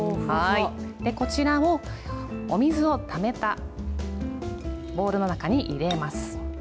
こちらをお水をためたボウルの中に入れます。